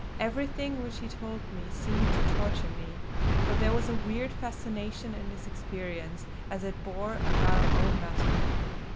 Everything which he told me seemed to torture me; but there was a weird fascination in his experience as it bore on our own matter.